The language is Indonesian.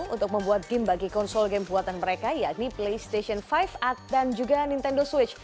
untuk membuat game bagi konsol game buatan mereka yakni playstation lima at dan juga nintendo switch